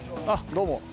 どうも。